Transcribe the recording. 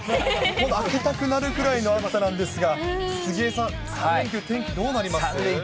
開けたくなるくらいの暑さなんですが、杉江さん、３連休の天気どうなります？